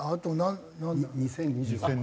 ２０２６年。